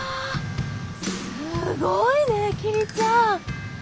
すごいね桐ちゃん。